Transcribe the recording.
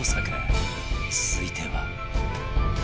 続いては